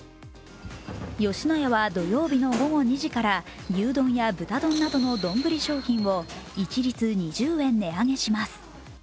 吉野家は土曜日の午後２時から牛丼や豚丼などの丼商品を一律２０円値上げします。